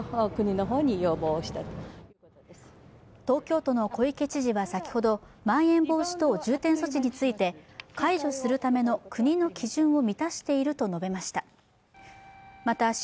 東京都の小池知事は先ほどまん延防止等重点措置について解除するための国の基準を満たしていると述べました。